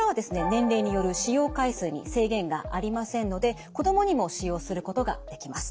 年齢による使用回数に制限がありませんので子どもにも使用することができます。